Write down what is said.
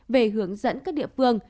về hướng dẫn các địa phương